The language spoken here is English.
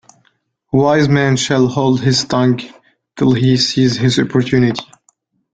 A wise man shall hold his tongue till he sees his opportunity.